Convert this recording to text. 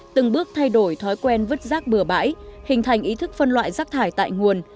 từng bước thay đổi thói quen vứt rác bừa bãi hình thành ý thức phân loại rác thải tại nguồn